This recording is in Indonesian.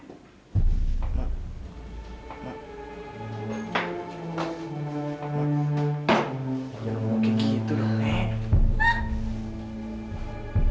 enggak mau kayak gitu dong nek